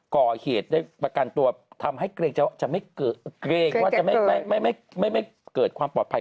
ก่อเหตุได้ประกันตัวทำให้เกรงว่าจะไม่เกิดความปลอดภัย